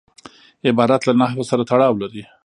عبارت له نحو سره تړاو لري.